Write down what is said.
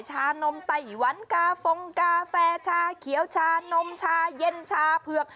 ชานมไต้หวันกาฟงกาแฟชาเขียวชานมชาเย็นชาเผือก